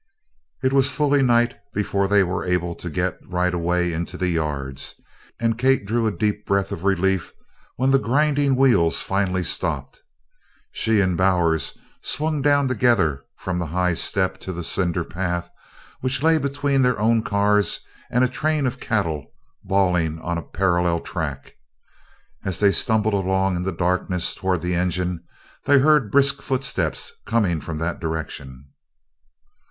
It was fully night before they were able to get right of way into the yards, and Kate drew a deep breath of relief when the grinding wheels finally stopped. She and Bowers swung down together from the high step to the cinder path which lay between their own cars and a train of cattle bawling on a parallel track. As they stumbled along in the darkness toward the engine they heard brisk footsteps coming from that direction.